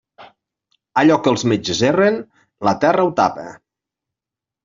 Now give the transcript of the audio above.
Allò que els metges erren, la terra ho tapa.